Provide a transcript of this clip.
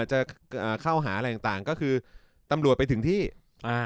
จะอ่าเข้าหาอะไรต่างต่างก็คือตำรวจไปถึงที่อ่า